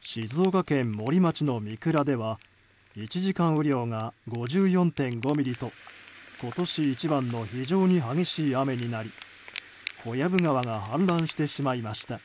静岡県森町の三倉では１時間雨量が５４．５ミリと今年一番の非常に激しい雨になり小藪川が氾濫してしまいました。